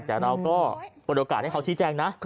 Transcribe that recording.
แต่เราก็เปิดโอกาสให้เขาชี้แจ้งนะ